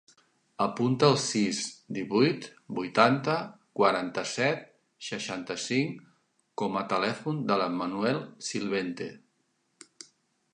Apunta el sis, divuit, vuitanta, quaranta-set, seixanta-cinc com a telèfon de l'Emanuel Silvente.